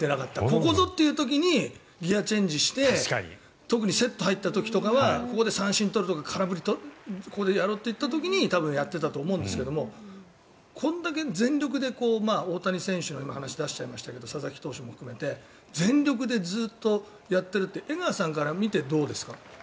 ここぞって時にギアチェンジして特にセット入った時とかはここで三振取るとか空振りを取るっていう時にやっていたと思うんですけどこれだけ全力で、大谷選手の話を出しちゃいましたけど佐々木投手も含めて全力でずっとやってるって江川さんから見てどうですか？